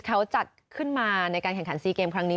เขาจัดขึ้นมาในการแข่งขันซีเกมครั้งนี้